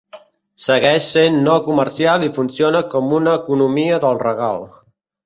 Segueix sent no comercial i funciona com una economia del regal.